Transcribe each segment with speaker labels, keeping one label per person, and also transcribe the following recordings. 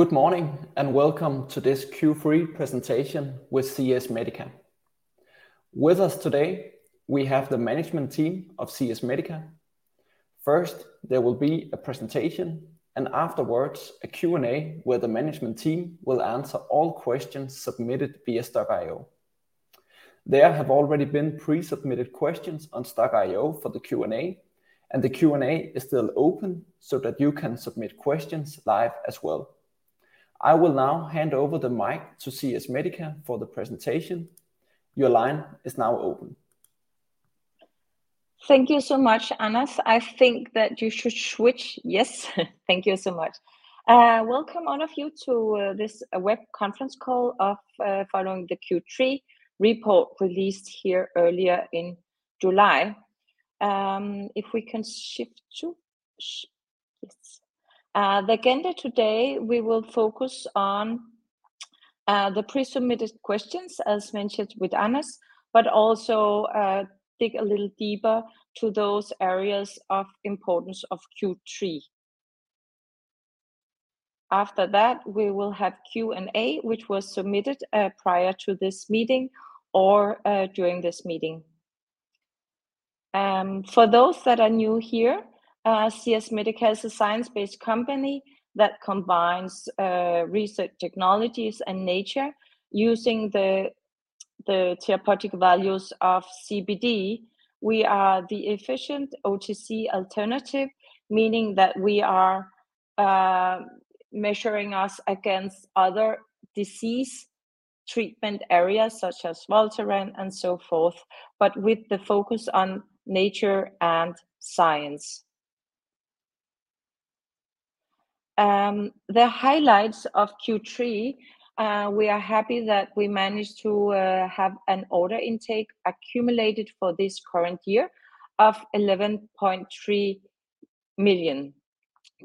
Speaker 1: Good morning, welcome to this Q3 presentation with CS Medica. With us today, we have the management team of CS Medica. First, there will be a presentation, and afterwards, a Q&A where the management team will answer all questions submitted via Stokk.io. There have already been pre-submitted questions on Stokk.io for the Q&A, and the Q&A is still open so that you can submit questions live as well. I will now hand over the mic to CS Medica for the presentation. Your line is now open.
Speaker 2: Thank you so much, Anas. I think that you should switch. Yes. Thank you so much. Welcome, all of you, to this web conference call following the Q3 report released here earlier in July. If we can shift to. Yes. The agenda today, we will focus on the pre-submitted questions, as mentioned with Anas, but also dig a little deeper to those areas of importance of Q3. After that, we will have Q&A, which was submitted prior to this meeting or during this meeting. For those that are new here, CS Medica is a science-based company that combines research technologies and nature using the therapeutic values of CBD. We are the efficient OTC alternative, meaning that we are measuring us against other disease treatment areas such as Voltaren and so forth, but with the focus on nature and science. The highlights of Q3, we are happy that we managed to have an order intake accumulated for this current year of 11.3 million.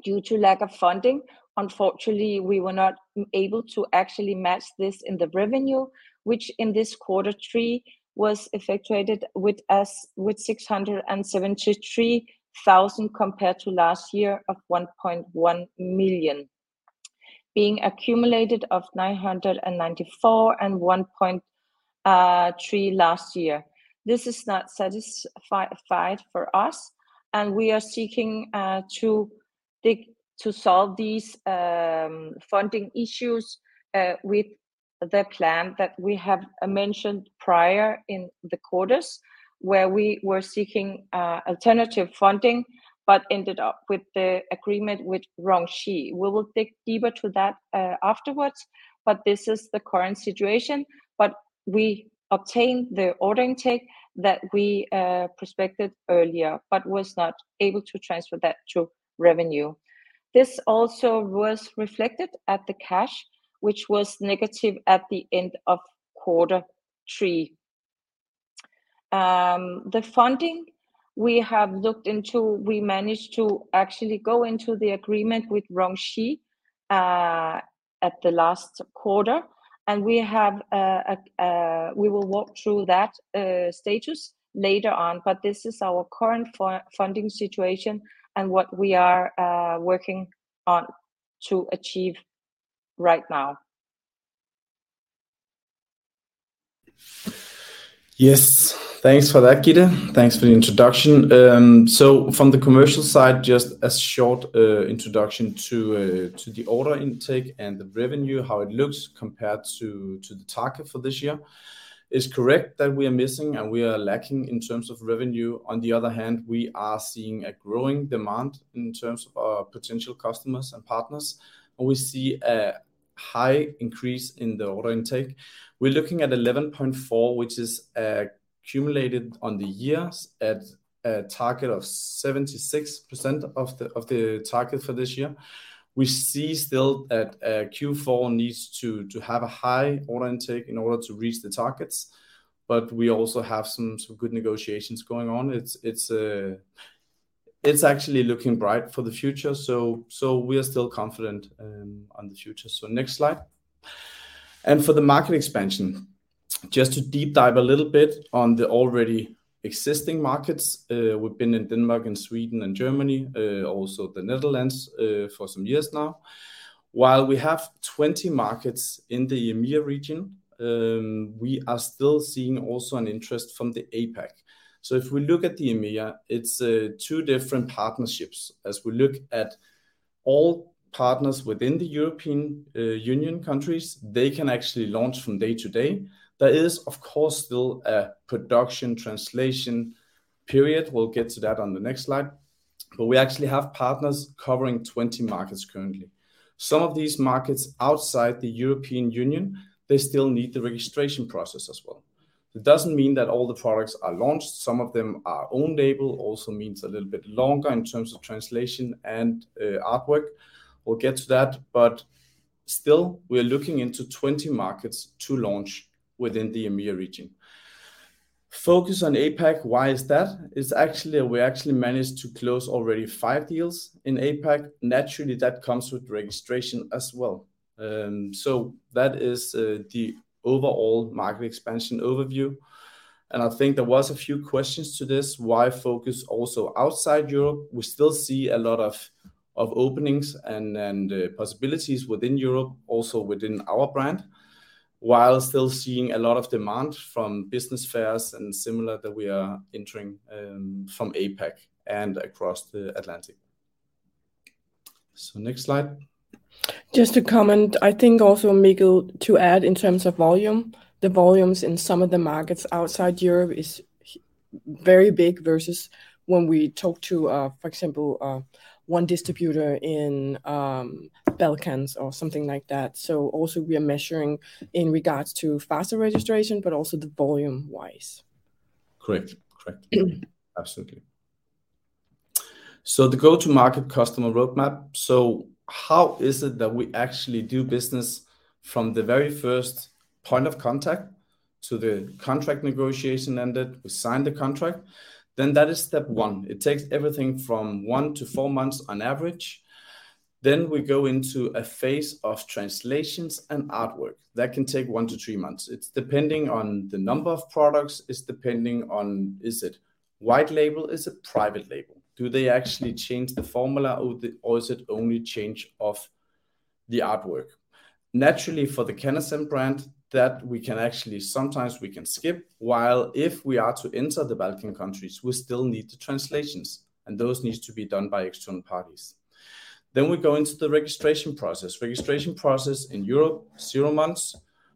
Speaker 2: Due to lack of funding, unfortunately, we were not able to actually match this in the revenue, which in this Q3 was effectuated with us with 673,000, compared to last year of 1.1 million, being accumulated of 994 and 1.3 million last year. This is not satisfied for us, and we are seeking to dig to solve these funding issues with the plan that we have mentioned prior in the quarters, where we were seeking alternative funding, but ended up with the agreement with RongShi. We will dig deeper to that afterwards, but this is the current situation. We obtained the order intake that we prospected earlier, but was not able to transfer that to revenue. This also was reflected at the cash, which was negative at the end of Q3. The funding we have looked into, we managed to actually go into the agreement with RongShi at the last quarter, and we have a, a. We will walk through that, status later on, but this is our current fun-funding situation and what we are, working on to achieve right now.
Speaker 3: Yes. Thanks for that, Gitte. Thanks for the introduction. From the commercial side, just a short introduction to the order intake and the revenue, how it looks compared to the target for this year. It's correct that we are missing and we are lacking in terms of revenue. On the other hand, we are seeing a growing demand in terms of our potential customers and partners, and we see a high increase in the order intake. We're looking at 11.4, which is accumulated on the year at a target of 76% of the target for this year. We see still that Q4 needs to have a high order intake in order to reach the targets, we also have some good negotiations going on. It's, it's, it's actually looking bright for the future, so we are still confident on the future. Next slide. For the market expansion, just to deep dive a little bit on the already existing markets. We've been in Denmark and Sweden and Germany, also the Netherlands, for some years now. While we have 20 markets in the EMEA region, we are still seeing also an interest from the APAC. If we look at the EMEA, it's two different partnerships. As we look at all partners within the European Union countries, they can actually launch from day to day. There is, of course, still a production translation period. We'll get to that on the next slide. We actually have partners covering 20 markets currently. Some of these markets outside the European Union, they still need the registration process as well. It doesn't mean that all the products are launched. Some of them are own label, also means a little bit longer in terms of translation and artwork. We'll get to that, but still, we are looking into 20 markets to launch within the EMEA region. Focus on APAC. Why is that? It's actually, we actually managed to close already five deals in APAC. Naturally, that comes with registration as well. That is the overall market expansion overview, and I think there was a few questions to this. Why focus also outside Europe? We still see a lot of, of openings and, and possibilities within Europe, also within our brand, while still seeing a lot of demand from business fairs and similar that we are entering, from APAC and across the Atlantic. Next slide.
Speaker 4: Just to comment, I think also, Mikkel, to add in terms of volume, the volumes in some of the markets outside Europe is very big versus when we talk to, for example, one distributor in, Balkans or something like that. Also we are measuring in regards to faster registration, but also the volume wise.
Speaker 3: Correct. Correct.
Speaker 4: Mm-hmm.
Speaker 3: Absolutely. The go-to-market customer roadmap, so how is it that we actually do business from the very first point of contact to the contract negotiation ended, we sign the contract, then that is step one. It takes everything from one to four months on average. We go into a phase of translations and artwork. That can take one to three months. It's depending on the number of products, it's depending on, is it white label, is it private label? Do they actually change the formula, or is it only change of the artwork? Naturally, for the CANNASEN brand, that we can actually sometimes we can skip, while if we are to enter the Balkan countries, we still need the translations, and those needs to be done by external parties. We go into the registration process. Registration process in Europe, zero months.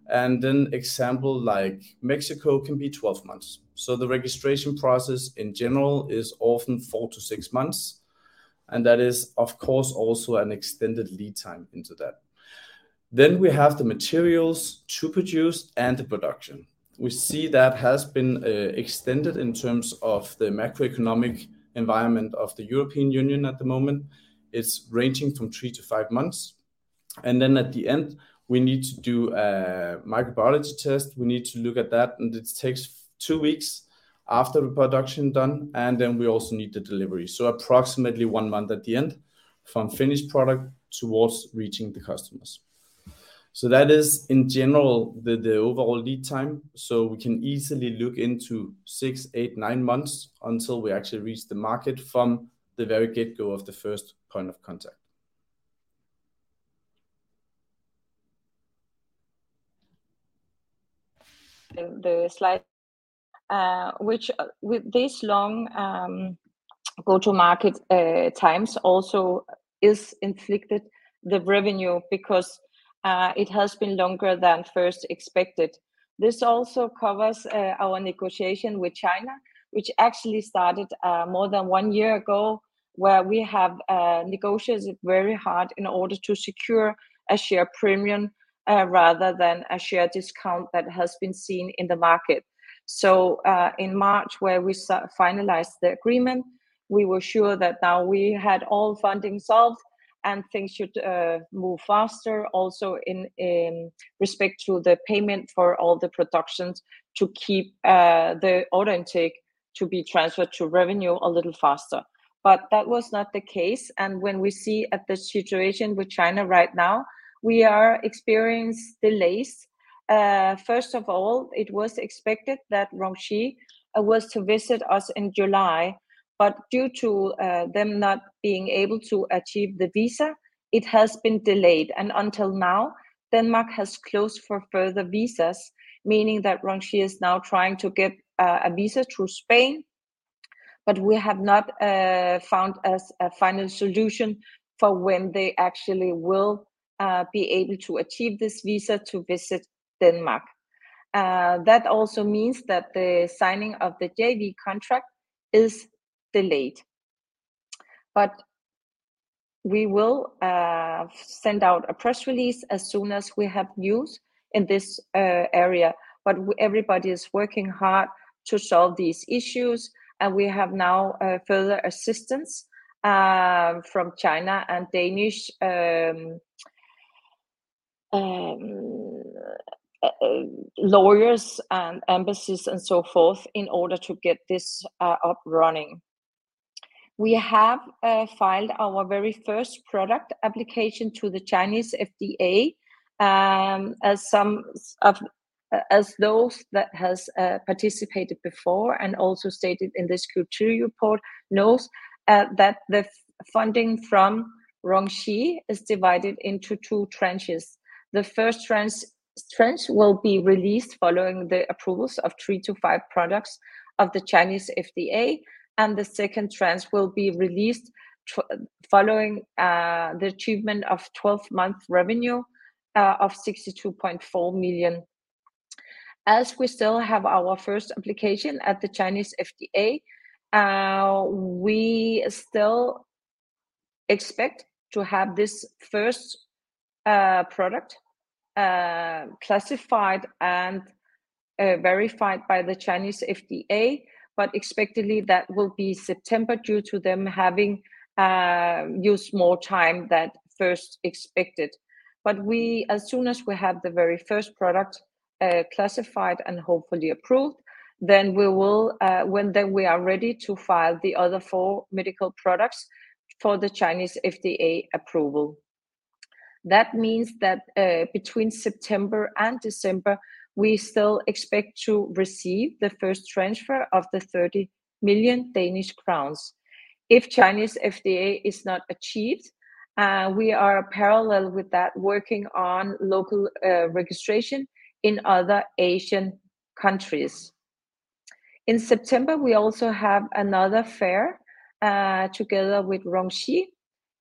Speaker 3: Example like Mexico can be 12 months. The registration process in general is often four to six months, and that is, of course, also an extended lead time into that. We have the materials to produce and the production. We see that has been extended in terms of the macroeconomic environment of the European Union at the moment. It's ranging from three to five months. At the end, we need to do a microbiology test. We need to look at that, and it takes two weeks after the production done. We also need the delivery. Approximately one month at the end from finished product towards reaching the customers. That is, in general, the overall lead time. We can easily look into six, eight, nine months until we actually reach the market from the very get-go of the first point of contact.
Speaker 5: The slide, which, with this long go-to-market times also is inflicted the revenue because it has been longer than first expected. This also covers our negotiation with China, which actually started more than one year ago, where we have negotiated very hard in order to secure a share premium rather than a share discount that has been seen in the market. In March, where we finalized the agreement, we were sure that now we had all funding solved and things should move faster. Also in respect to the payment for all the productions to keep the order intake to be transferred to revenue a little faster. That was not the case, and when we see at the situation with China right now, we are experienced delays. First of all, it was expected that RongShi was to visit us in July, but due to them not being able to achieve the visa, it has been delayed. Until now, Denmark has closed for further visas, meaning that RongShi is now trying to get a visa through Spain, but we have not found as a final solution for when they actually will be able to achieve this visa to visit Denmark. That also means that the signing of the JV contract is delayed. We will send out a press release as soon as we have news in this area, everybody is working hard to solve these issues, and we have now further assistance from China and Danish lawyers and embassies and so forth, in order to get this up running. We have filed our very first product application to the Chinese FDA. As some of, as those that has participated before, and also stated in this quarterly report, knows that the funding from RongShi is divided into two tranches. The first tranche will be released following the approvals of three to five products of the Chinese FDA, and the second tranche will be released following the achievement of 12-month revenue of 62.4 million. As we still have our first application at the Chinese FDA, we still expect to have this first product classified and verified by the Chinese FDA, but expectedly, that will be September, due to them having used more time than first expected. As soon as we have the very first product classified and hopefully approved, when then we are ready to file the other four medical products for the Chinese FDA approval. That means that, between September and December, we still expect to receive the first transfer of 30 million Danish crowns. If Chinese FDA is not achieved, we are parallel with that, working on local registration in other Asian countries. In September, we also have another fair together with RongShi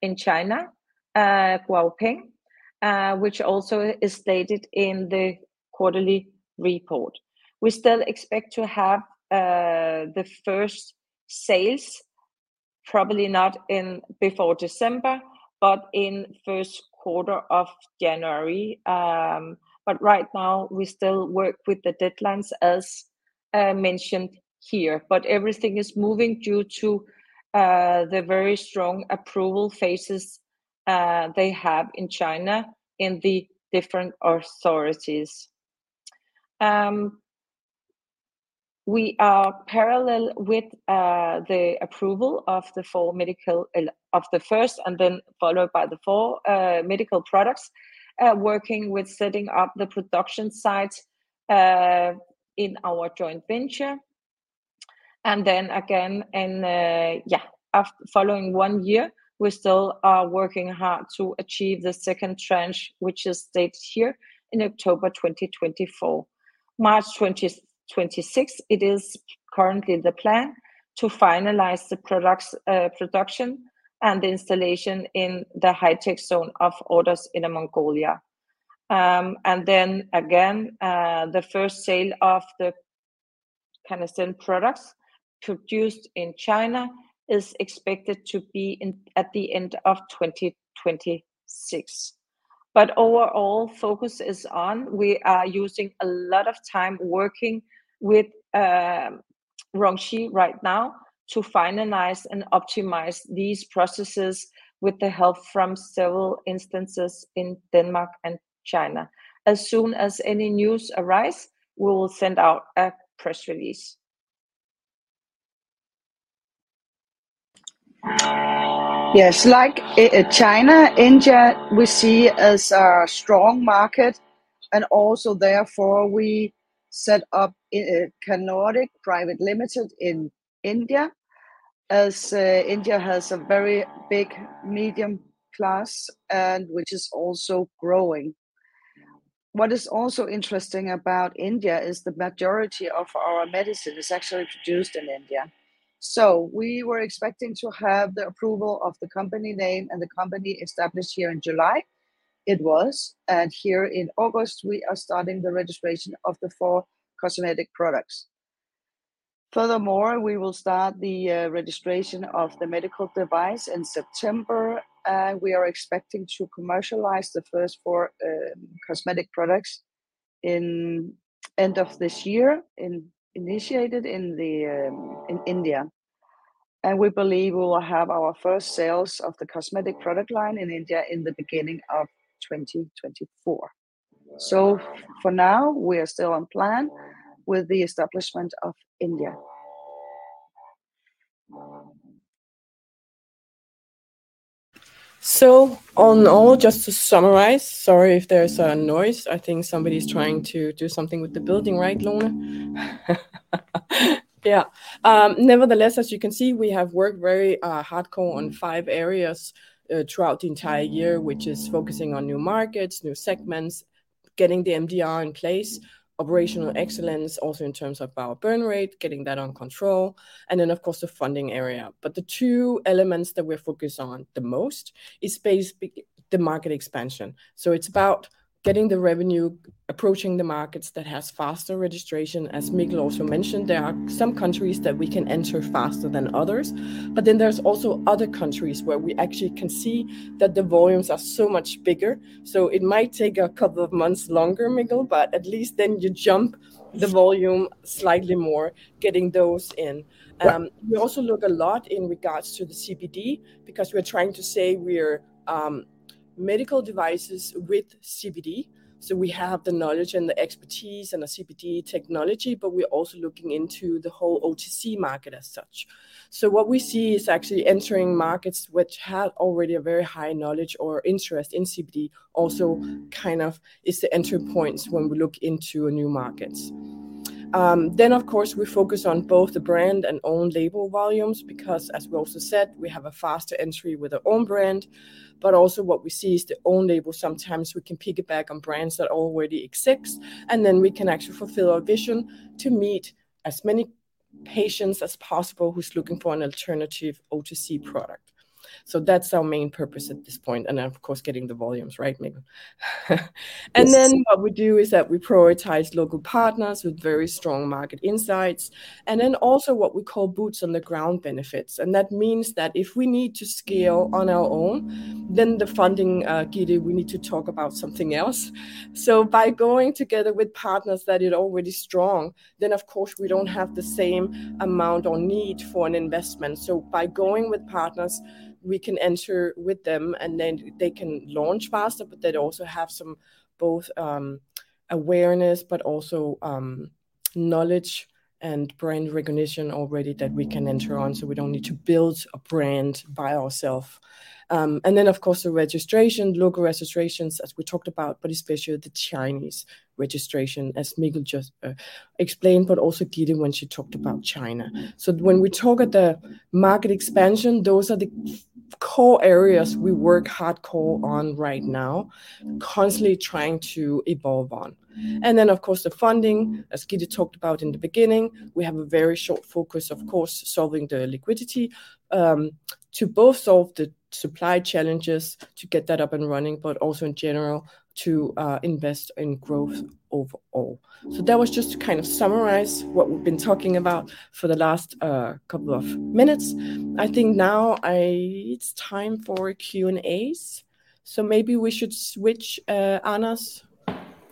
Speaker 5: in China, Guangzhou, which also is stated in the quarterly report. We still expect to have the first sales probably not in before December, but in Q1 of January. Right now, we still work with the deadlines as mentioned here. Everything is moving due to the very strong approval phases they have in China in the different authorities. We are parallel with the approval of the four medical of the first, and then followed by the four medical products working with setting up the production sites in our joint venture. Again, following one year, we still are working hard to achieve the second tranche, which is stated here in October 2024. March 2026, it is currently the plan to finalize the products production and installation in the high-tech zone of Ordos Inner Mongolia. Again, the first sale of the CANNASEN products produced in China is expected to be in, at the end of 2026. Overall, focus is on. We are using a lot of time working with RongShi right now to finalize and optimize these processes with the help from several instances in Denmark and China. As soon as any news arise, we will send out a press release.
Speaker 2: Yes, like, China, India we see as a strong market. Therefore we set up CANNORDIC India Pvt. Ltd. in India, as India has a very big medium class and which is also growing. What is also interesting about India is the majority of our medicine is actually produced in India. We were expecting to have the approval of the company name and the company established here in July. It was. Here in August, we are starting the registration of the four cosmetic products. We will start the registration of the medical device in September. We are expecting to commercialize the first four cosmetic products in end of this year, initiated in India. We believe we will have our first sales of the cosmetic product line in India in the beginning of 2024. For now, we are still on plan with the establishment of India.
Speaker 4: On all, just to summarize, sorry if there's a noise. I think somebody's trying to do something with the building, right, Lone? Yeah. Nevertheless, as you can see, we have worked very hardcore on five areas throughout the entire year, which is focusing on new markets, new segments, getting the MDR in place, operational excellence, also in terms of our burn rate, getting that on control, and then, of course, the funding area. The two elements that we're focused on the most is the market expansion. It's about getting the revenue, approaching the markets that has faster registration. As Mikkel also mentioned, there are some countries that we can enter faster than others, but then there's also other countries where we actually can see that the volumes are so much bigger. It might take a couple of months longer, Mikkel, but at least then you jump the volume slightly more, getting those in. We also look a lot in regards to the CBD, because we're trying to say we're medical devices with CBD. We have the knowledge and the expertise and the CBD technology, but we're also looking into the whole OTC market as such. What we see is actually entering markets which have already a very high knowledge or interest in CBD, also kind of is the entry points when we look into new markets. Then, of course, we focus on both the brand and own label volumes, because as we also said, we have a faster entry with our own brand. Also what we see is the own label, sometimes we can piggyback on brands that already exist, and then we can actually fulfill our vision to meet as many patients as possible who's looking for an alternative OTC product. That's our main purpose at this point, and of course, getting the volumes right, Mikkel.
Speaker 3: Yes.
Speaker 4: What we do is that we prioritize local partners with very strong market insights, and then also what we call boots on the ground benefits. That means that if we need to scale on our own, then the funding, Gitte, we need to talk about something else. By going together with partners that are already strong, then of course, we don't have the same amount or need for an investment. By going with partners, we can enter with them, and then they can launch faster, but they'd also have some both awareness, but also knowledge and brand recognition already that we can enter on, so we don't need to build a brand by ourself. Then, of course, the registration, local registrations, as we talked about, but especially the Chinese registration, as Mikkel just explained, but also Gitte when she talked about China. When we talk at the market expansion, those are the core areas we work hardcore on right now, constantly trying to evolve on. Then, of course, the funding, as Gitte talked about in the beginning, we have a very short focus, of course, solving the liquidity, to both solve the supply challenges, to get that up and running, but also in general, to invest in growth overall. That was just to kind of summarize what we've been talking about for the last couple of minutes. I think now it's time for Q&A's, so maybe we should switch, Anas,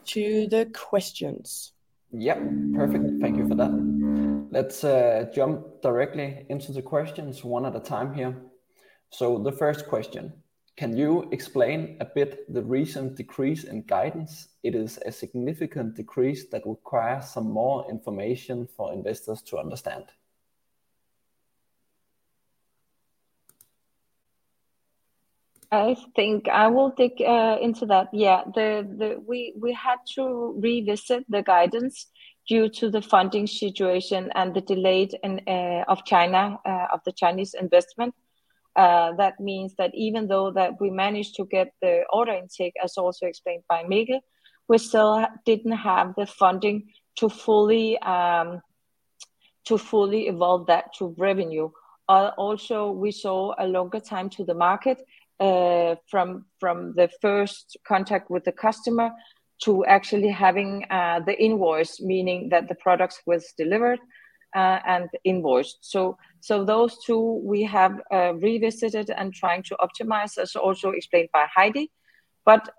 Speaker 4: to the questions.
Speaker 1: Yep, perfect. Thank you for that. Let's jump directly into the questions one at a time here. The first question: Can you explain a bit the recent decrease in guidance? It is a significant decrease that requires some more information for investors to understand.
Speaker 5: I think I will dig into that. Yeah, we had to revisit the guidance due to the funding situation and the delayed in of China, of the Chinese investment. That means that even though that we managed to get the order intake, as also explained by Mikkel, we still didn't have the funding to fully to fully evolve that to revenue. Also, we saw a longer time to the market, from the first contact with the customer to actually having the invoice, meaning that the products was delivered, and invoiced. Those two we have revisited and trying to optimize, as also explained by Heidi.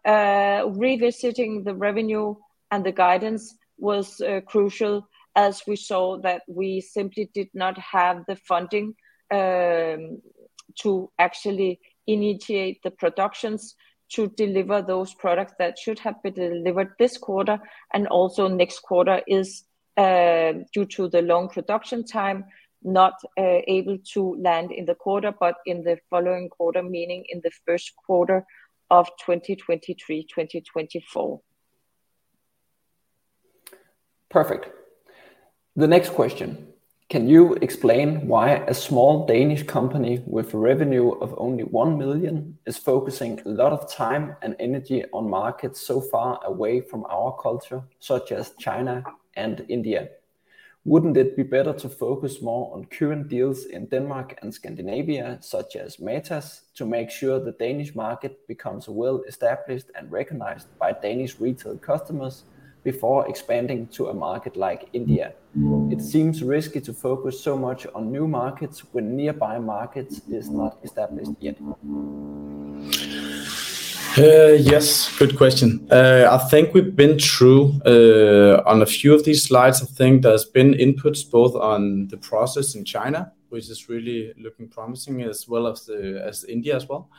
Speaker 5: Revisiting the revenue and the guidance was crucial, as we saw that we simply did not have the funding to actually initiate the productions to deliver those products that should have been delivered this quarter, and also next quarter is due to the long production time, not able to land in the quarter, but in the following quarter, meaning in the Q1 of 2023, 2024.
Speaker 1: Perfect. The next question: Can you explain why a small Danish company with a revenue of only 1 million is focusing a lot of time and energy on markets so far away from our culture, such as China and India? Wouldn't it be better to focus more on current deals in Denmark and Scandinavia, such as Matas, to make sure the Danish market becomes well-established and recognized by Danish retail customers before expanding to a market like India? It seems risky to focus so much on new markets when nearby markets is not established yet.
Speaker 3: Yes, good question. I think we've been through on a few of these slides. I think there's been inputs both on the process in China, which is really looking promising, as well as, as India as well.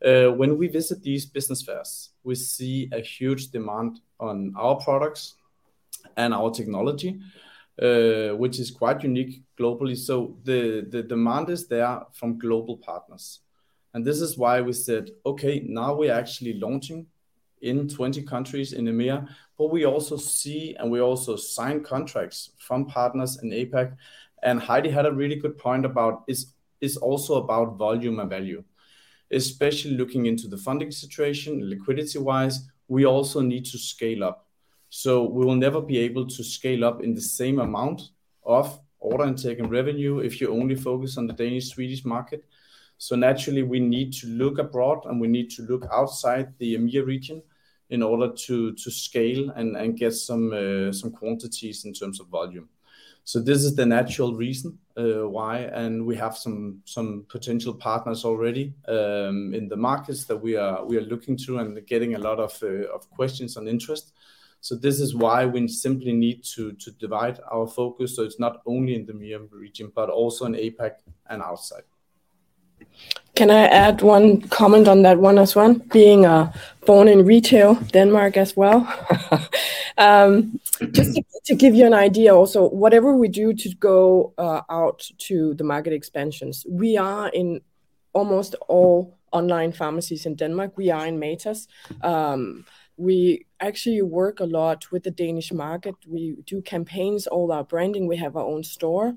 Speaker 3: When we visit these business fairs, we see a huge demand on our products and our technology, which is quite unique globally. The demand is there from global partners, and this is why we said, "Okay, now we're actually launching in 20 countries in EMEA." We also see, and we also sign contracts from partners in APAC. Heidi had a really good point about, it's, it's also about volume and value, especially looking into the funding situation, liquidity-wise, we also need to scale up. We will never be able to scale up in the same amount of order intake and revenue if you only focus on the Danish, Swedish market. Naturally, we need to look abroad, and we need to look outside the EMEA region in order to scale and get some quantities in terms of volume. This is the natural reason why, and we have some potential partners already in the markets that we are looking to and getting a lot of questions and interest. This is why we simply need to divide our focus, so it's not only in the EMEA region, but also in APAC and outside.
Speaker 4: Can I add one comment on that one as well, being born in retail, Denmark as well? Just to give you an idea also, whatever we do to go out to the market expansions, we are in almost all online pharmacies in Denmark. We are in Matas. We actually work a lot with the Danish market. We do campaigns, all our branding. We have our own store.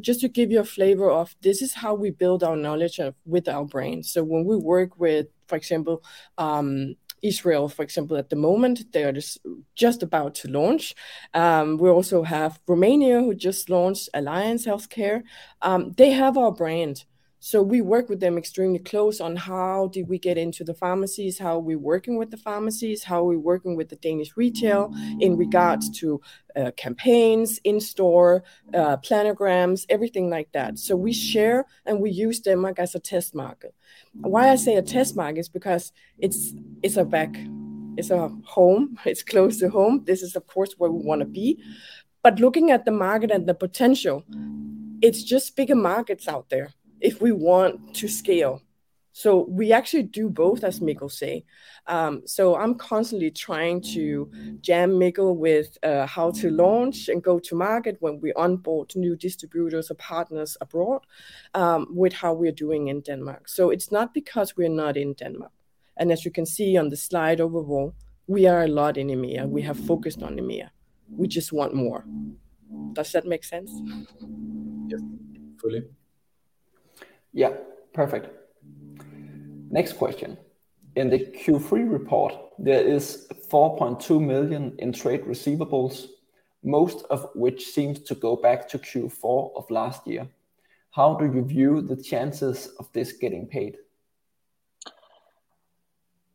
Speaker 4: Just to give you a flavor of this is how we build our knowledge of, with our brand. When we work with, for example, Israel, for example, at the moment, they are just, just about to launch. We also have Romania, who just launched Alliance Healthcare. They have our brand, so we work with them extremely close on how do we get into the pharmacies, how are we working with the pharmacies, how are we working with the Danish retail in regards to campaigns, in-store, planograms, everything like that. We share, and we use Denmark as a test market. Why I say a test market is because it's, it's our back, it's our home, it's close to home. This is, of course, where we want to be. Looking at the market and the potential, it's just bigger markets out there if we want to scale. We actually do both, as Mikkel say. I'm constantly trying to jam Mikkel with how to launch and go to market when we onboard new distributors or partners abroad, with how we're doing in Denmark. It's not because we're not in Denmark, and as you can see on the slide overall, we are a lot in EMEA. We have focused on EMEA. We just want more. Does that make sense?
Speaker 1: Yes, fully. Yeah, perfect. Next question: in the Q3 report, there is 4.2 million in trade receivables, most of which seems to go back to Q4 of last year. How do you view the chances of this getting paid?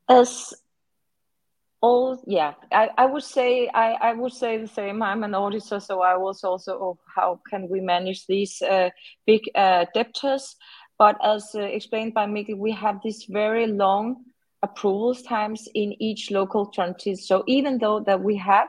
Speaker 5: As yeah, I, I would say, I, I would say the same. I'm an auditor. I was also, "Oh, how can we manage these big debtors?" As explained by Mikkel, we have these very long approvals times in each local countries. Even though that we have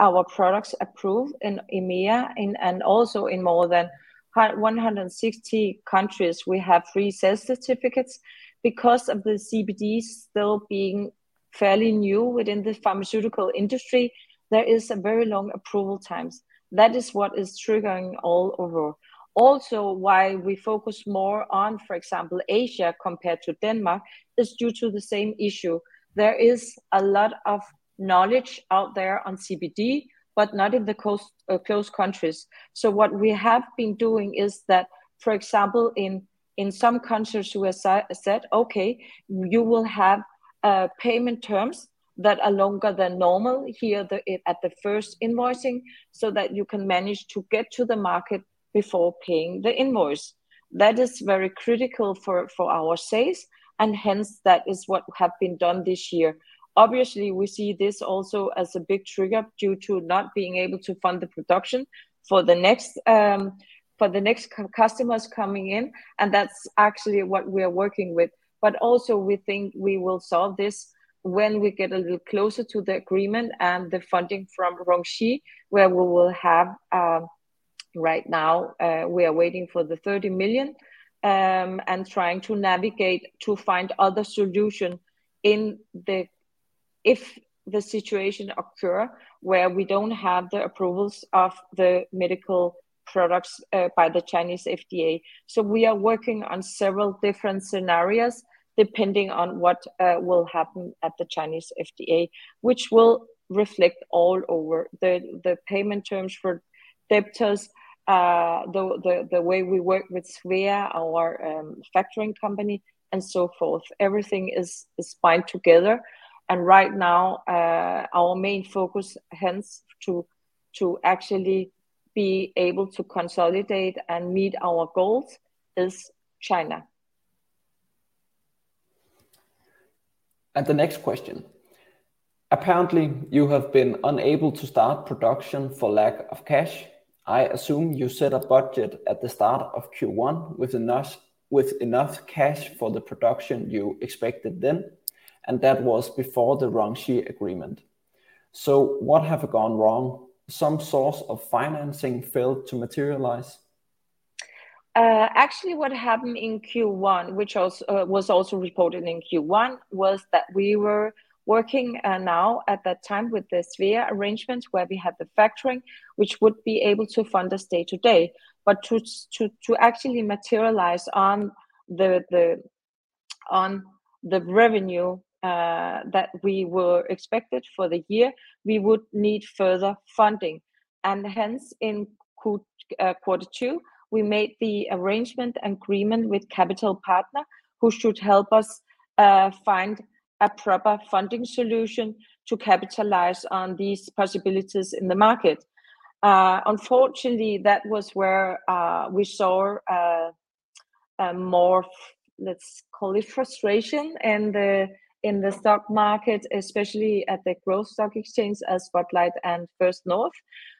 Speaker 5: our products approved in EMEA and also in more than 160 countries, we have pre-sales certificates, because of the CBDs still being fairly new within the pharmaceutical industry, there is a very long approval times. That is what is triggering all over. Also, why we focus more on, for example, Asia compared to Denmark, is due to the same issue. There is a lot of knowledge out there on CBD, but not in the close, close countries. What we have been doing is that, for example, in, in some countries who has said, "Okay, you will have payment terms that are longer than normal here at the, at the first invoicing, so that you can manage to get to the market before paying the invoice." That is very critical for, for our sales, and hence, that is what have been done this year. Obviously, we see this also as a big trigger due to not being able to fund the production for the next, for the next customers coming in, and that's actually what we are working with. Also, we think we will solve this when we get a little closer to the agreement and the funding from RongShi, where we will have. Right now, we are waiting for 30 million, and trying to navigate to find other solution if the situation occur, where we don't have the approvals of the medical products by the Chinese FDA. We are working on several different scenarios depending on what will happen at the Chinese FDA, which will reflect all over the payment terms for debtors, the, the, the way we work with Svea, our factoring company, and so forth. Everything is, is bind together, and right now, our main focus, hence, to, to actually be able to consolidate and meet our goals is China.
Speaker 1: The next question: apparently, you have been unable to start production for lack of cash. I assume you set a budget at the start of Q1 with enough, with enough cash for the production you expected then, and that was before the RongShi agreement. What have gone wrong? Some source of financing failed to materialize?
Speaker 5: Actually, what happened in Q1, which also was also reported in Q1, was that we were working now at that time with the Svea arrangement, where we had the factoring, which would be able to fund us day to day. To actually materialize on the revenue that we were expected for the year, we would need further funding. Hence, in Q2, we made the arrangement agreement with Kapital Partner, who should help us find a proper funding solution to capitalize on these possibilities in the market. Unfortunately, that was where we saw frustration in the stock market, especially at the growth stock exchange as Spotlight and First North,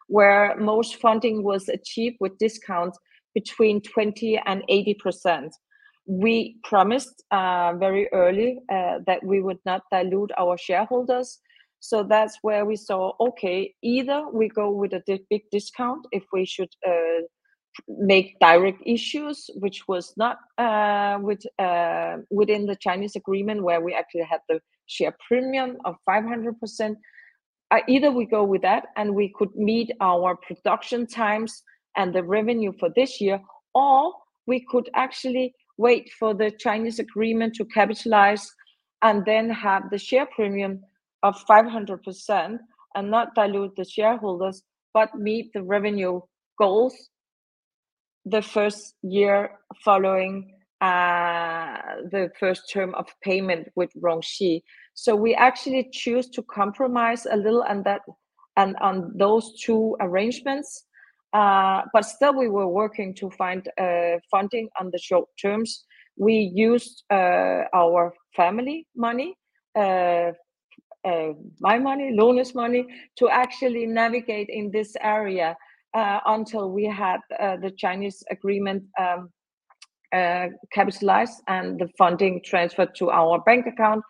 Speaker 5: where most funding was achieved with discounts between 20% and 80%. We promised very early that we would not dilute our shareholders, so that's where we saw, okay, either we go with a big discount if we should make direct issues, which was not within the Chinese agreement, where we actually had the share premium of 500%. Either we go with that, and we could meet our production times and the revenue for this year, or we could actually wait for the Chinese agreement to capitalize and then have the share premium of 500% and not dilute the shareholders, but meet the revenue goals the first year following the first term of payment with RongShi. We actually choose to compromise a little on that, on, on those two arrangements. Still we were working to find funding on the short terms. We used our family money, my money, Lone's money, to actually navigate in this area until we had the Chinese agreement signed. Capitalized and the funding transferred to our bank account.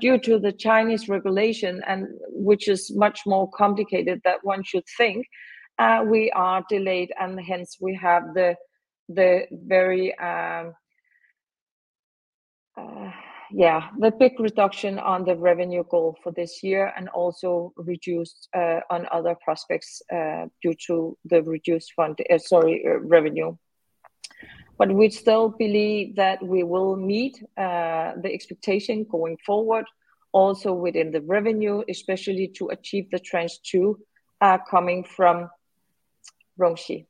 Speaker 5: Due to the Chinese regulation, and which is much more complicated than one should think, we are delayed, and hence we have the very big reduction on the revenue goal for this year and also reduced on other prospects due to the reduced fund, sorry, revenue. We still believe that we will meet the expectation going forward, also within the revenue, especially to achieve the Tranche 2 coming from RongShi.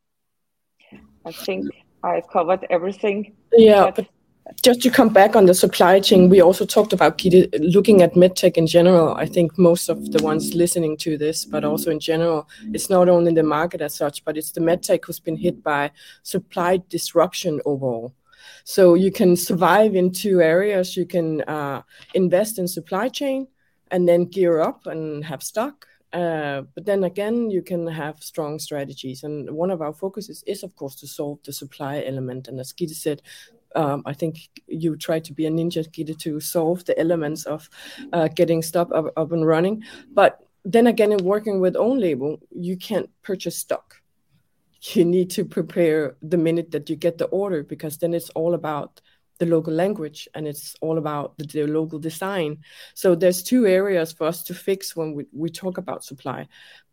Speaker 5: I think I've covered everything.
Speaker 4: Yeah, just to come back on the supply chain, we also talked about Gitte, looking at MedTech in general, I think most of the ones listening to this, but also in general, it's not only the market as such, but it's the MedTech who's been hit by supply disruption overall. You can survive in two areas. You can invest in supply chain and then gear up and have stock. But then again, you can have strong strategies, and one of our focuses is, of course, to solve the supply element. As Gitte said, I think you try to be a ninja, Gitte, to solve the elements of getting stuff up, up and running. Then again, in working with own label, you can't purchase stock. You need to prepare the minute that you get the order, because then it's all about the local language, and it's all about the, the local design. There's two areas for us to fix when we, we talk about supply.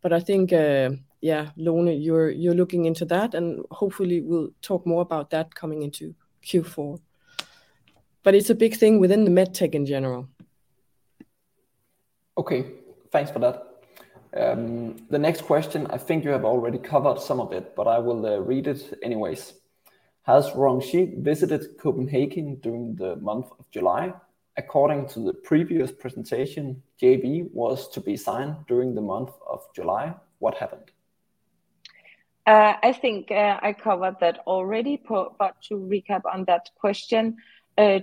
Speaker 4: I think, yeah, Lone, you're, you're looking into that, and hopefully we'll talk more about that coming into Q4. It's a big thing within the MedTech in general.
Speaker 1: Okay. Thanks for that. The next question, I think you have already covered some of it, but I will read it anyways. Has RongShi visited Copenhagen during the month of July? According to the previous presentation, JV was to be signed during the month of July. What happened?
Speaker 5: I think I covered that already, but to recap on that question,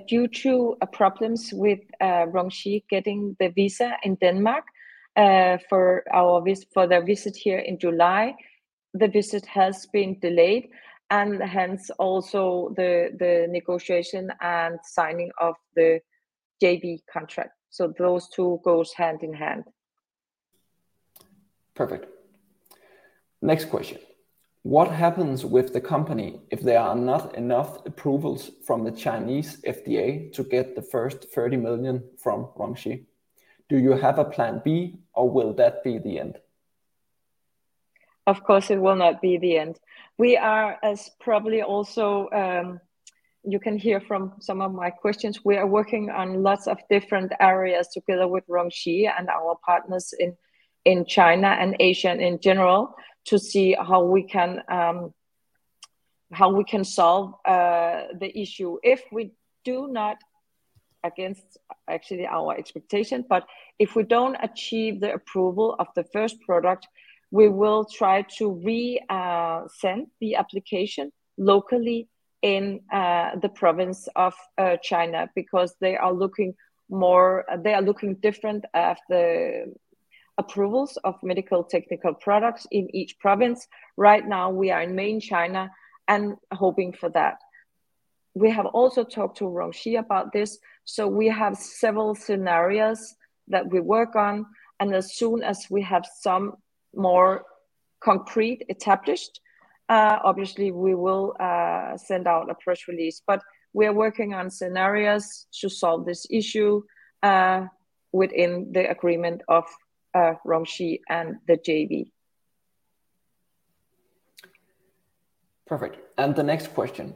Speaker 5: due to problems with RongShi getting the visa in Denmark, for their visit here in July, the visit has been delayed, and hence also the negotiation and signing of the JV contract. Those two goes hand in hand.
Speaker 1: Perfect. Next question: What happens with the company if there are not enough approvals from the Chinese FDA to get the first 30 million from RongShi? Do you have a plan B, or will that be the end?
Speaker 5: Of course, it will not be the end. We are as probably also, you can hear from some of my questions, we are working on lots of different areas together with RongShi and our partners in, in China and Asia in general, to see how we can, how we can solve the issue. If we do not, against actually our expectation, but if we don't achieve the approval of the first product, we will try to re send the application locally in the province of China because they are looking more, they are looking different at the approvals of medical technical products in each province. Right now, we are in mainland China and hoping for that. We have also talked to RongShi about this. We have several scenarios that we work on, and as soon as we have some more concrete established, obviously we will send out a press release. We are working on scenarios to solve this issue, within the agreement of RongShi and the JV.
Speaker 1: Perfect. The next question: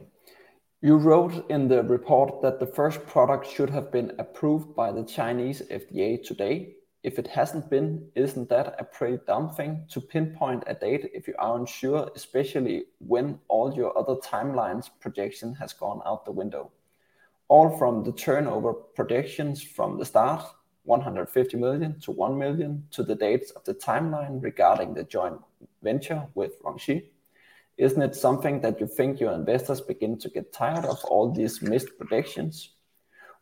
Speaker 1: You wrote in the report that the first product should have been approved by the Chinese FDA today. If it hasn't been, isn't that a pretty dumb thing to pinpoint a date if you are unsure, especially when all your other timelines projection has gone out the window? All from the turnover projections from the start, 150 million to 1 million, to the dates of the timeline regarding the joint venture with RongShi. Isn't it something that you think your investors begin to get tired of all these missed projections?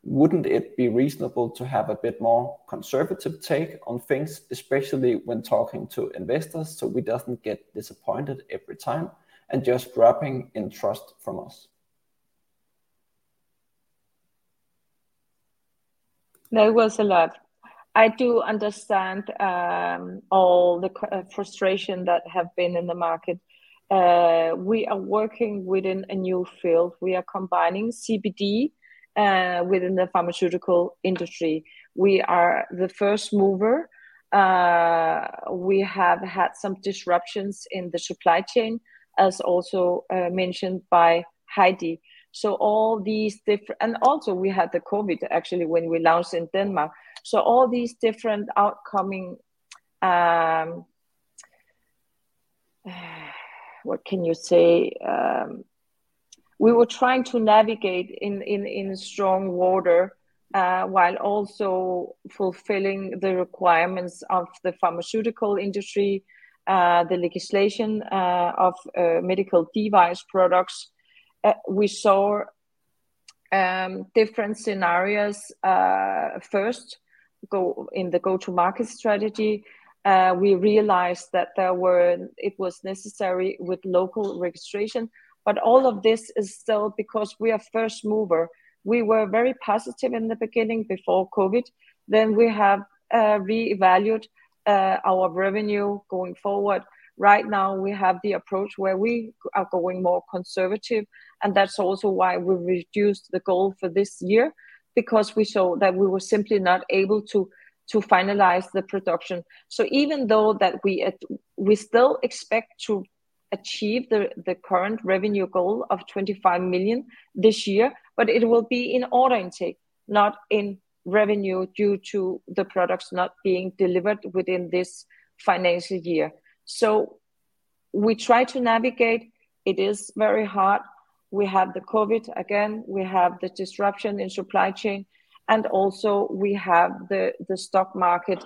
Speaker 1: Wouldn't it be reasonable to have a bit more conservative take on things, especially when talking to investors, so we doesn't get disappointed every time and just dropping in trust from us?
Speaker 5: That was a lot. I do understand all the frustration that have been in the market. We are working within a new field. We are combining CBD within the pharmaceutical industry. We are the first mover. We have had some disruptions in the supply chain, as also mentioned by Heidi. All these different, and also we had the COVID, actually, when we launched in Denmark. All these different outcoming what can you say? We were trying to navigate in, in, in strong water while also fulfilling the requirements of the pharmaceutical industry, the legislation of medical device products. We saw different scenarios. First, in the go-to-market strategy, we realized that it was necessary with local registration. All of this is still because we are first mover. We were very positive in the beginning, before COVID. We have re-evaluated our revenue going forward. Right now, we have the approach where we are going more conservative. That's also why we reduced the goal for this year, because we saw that we were simply not able to finalize the production. Even though we still expect to achieve the current revenue goal of 25 million this year, it will be in order intake, not in revenue, due to the products not being delivered within this financial year. We try to navigate. It is very hard. We have the COVID again, we have the disruption in supply chain, and also we have the stock market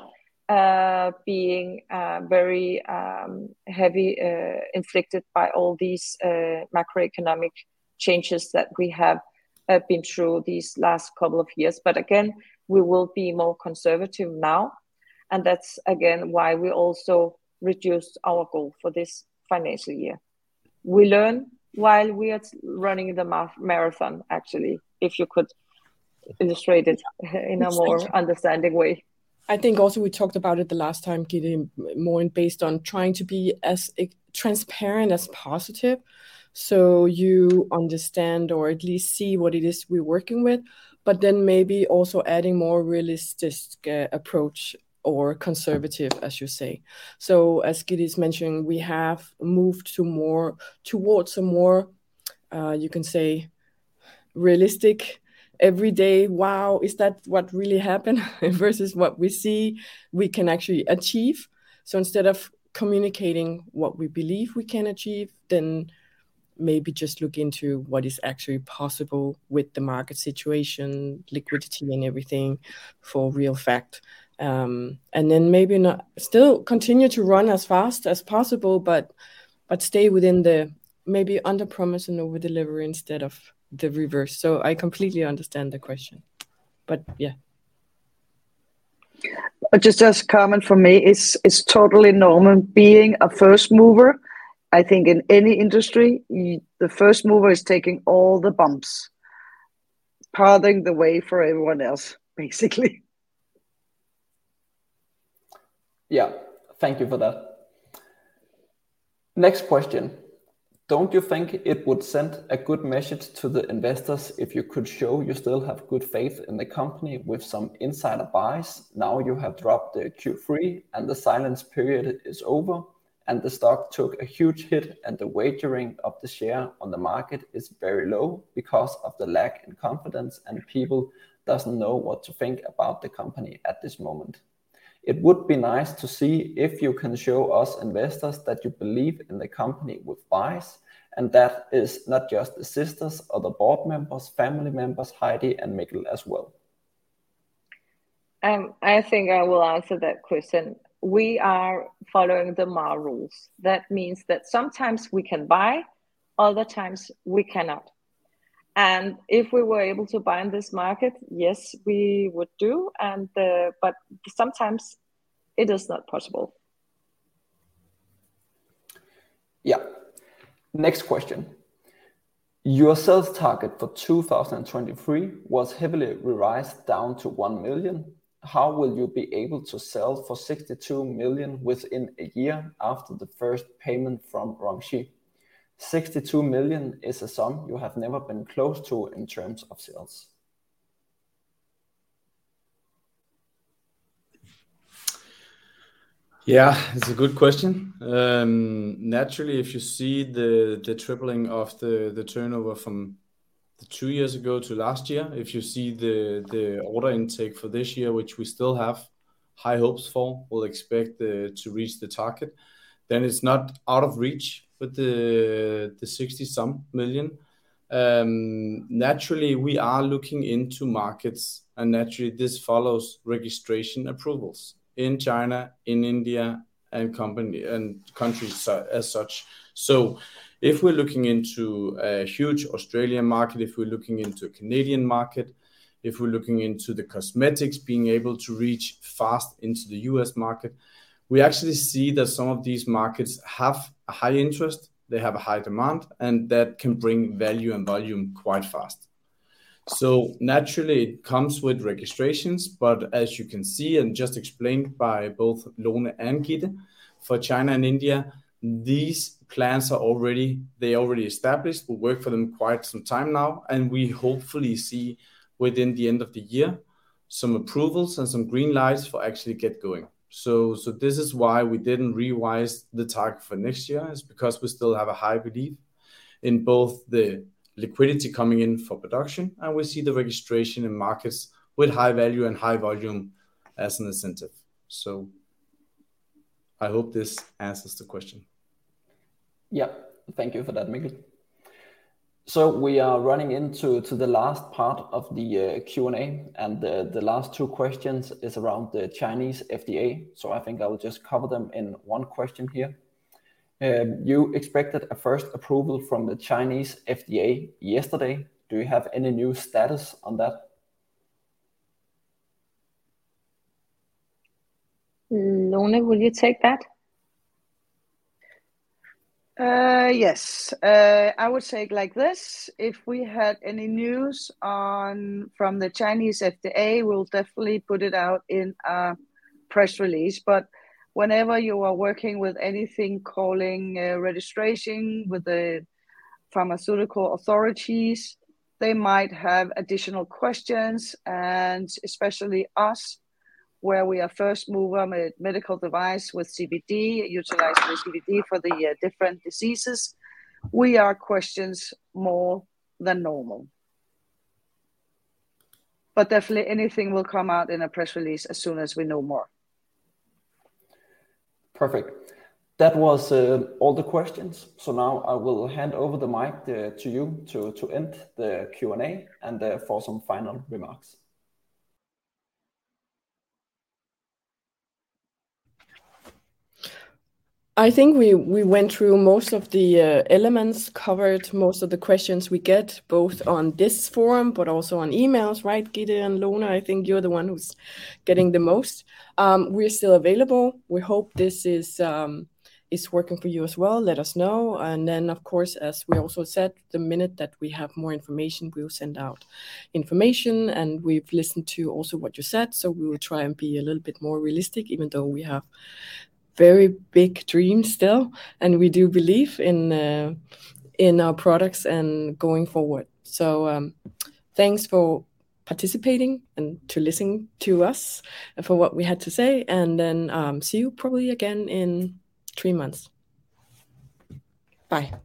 Speaker 5: being very heavy inflicted by all these macroeconomic changes that we have been through these last couple of years. Again, we will be more conservative now, and that's again why we also reduced our goal for this financial year. We learn while we are running the marathon, actually, if you could illustrate it in a more understanding way.
Speaker 4: I think also we talked about it the last time, Gitte, more based on trying to be as transparent as positive, so you understand or at least see what it is we're working with, but then maybe also adding more realistic approach or conservative, as you say. As Gitte as mentioned, we have moved to more, towards a more, you can say, realistic every day, "Wow, is that what really happened?" Versus what we see we can actually achieve. Instead of communicating what we believe we can achieve, then maybe just look into what is actually possible with the market situation, liquidity and everything for real fact. Then maybe still continue to run as fast as possible, but stay within the maybe underpromise and overdeliver instead of the reverse. I completely understand the question, but yeah.
Speaker 2: Just as a comment from me, it's, it's totally normal being a first mover. I think in any industry, you, the first mover is taking all the bumps, paving the way for everyone else, basically.
Speaker 1: Yeah. Thank you for that. Next question: Don't you think it would send a good message to the investors if you could show you still have good faith in the company with some insider buys now you have dropped the Q3 and the silence period is over, and the stock took a huge hit, and the wagering of the share on the market is very low because of the lack in confidence, and people doesn't know what to think about the company at this moment? It would be nice to see if you can show us investors that you believe in the company with buys, and that is not just the sisters or the board members, family members, Heidi and Mikkel as well.
Speaker 5: I think I will answer that question. We are following the MAR rules. That means that sometimes we can buy, other times we cannot. If we were able to buy in this market, yes, we would do, and, but sometimes it is not possible.
Speaker 1: Yeah. Next question: Your sales target for 2023 was heavily revised down to 1 million. How will you be able to sell for 62 million within a year after the first payment from RongShi? 62 million is a sum you have never been close to in terms of sales.
Speaker 3: Yeah, it's a good question. naturally, if you see the, the tripling of the, the turnover from two years ago to last year, if you see the, the order intake for this year, which we still have high hopes for, we'll expect to reach the target, then it's not out of reach for the, the 60 some million. naturally, we are looking into markets, and naturally, this follows registration approvals in China, in India, and countries as such. If we're looking into a huge Australian market, if we're looking into a Canadian market, if we're looking into the cosmetics, being able to reach fast into the U.S. market, we actually see that some of these markets have a high interest, they have a high demand, and that can bring value and volume quite fast. Naturally, it comes with registrations, but as you can see, and just explained by both Lone and Gitte, for China and India, these plans are already established. We work for them quite some time now, and we hopefully see within the end of the year, some approvals and some green lights for actually get going. This is why we didn't revise the target for next year, is because we still have a high belief in both the liquidity coming in for production, and we see the registration in markets with high value and high volume as an incentive. I hope this answers the question.
Speaker 1: Yep. Thank you for that, Mikkel. We are running into the last part of the Q&A, and the last two questions is around the Chinese FDA, I think I will just cover them in one question here. You expected a first approval from the Chinese FDA yesterday. Do you have any new status on that?
Speaker 4: Lone, will you take that?
Speaker 5: Yes. I would say it like this, if we had any news on, from the Chinese FDA, we'll definitely put it out in a press release. Whenever you are working with anything calling, registration with the pharmaceutical authorities, they might have additional questions, and especially us, where we are first mover medical device with CBD, utilizing the CBD for the different diseases. We are questions more than normal. Definitely anything will come out in a press release as soon as we know more.
Speaker 1: Perfect. That was all the questions, so now I will hand over the mic to you to end the Q&A and for some final remarks.
Speaker 4: I think we, we went through most of the elements, covered most of the questions we get, both on this forum, but also on emails, right, Gitte and Lone? I think you're the one who's getting the most. We're still available. We hope this is working for you as well. Let us know, and then, of course, as we also said, the minute that we have more information, we'll send out information. We've listened to also what you said, so we will try and be a little bit more realistic, even though we have very big dreams still, and we do believe in our products and going forward. Thanks for participating and to listening to us for what we had to say, and then, see you probably again in three months. Bye.